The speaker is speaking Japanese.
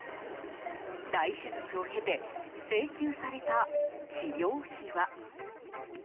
大手術を経て請求された治療費は？